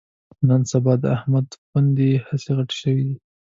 نن سبا د احمد پوندې هسې غټې شوې دي